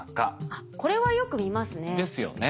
あっこれはよく見ますね。ですよね。